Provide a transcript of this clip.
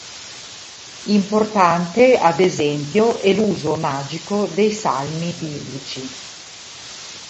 Importante ad esempio è l'uso magico dei salmi biblici.